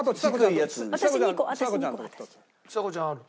ちさ子ちゃんある。